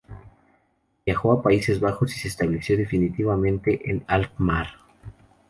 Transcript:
Viajó a Países Bajos y se estableció definitivamente en Alkmaar.